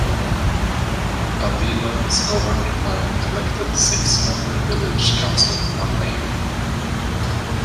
Adena is governed by an elected six member village council and Mayor.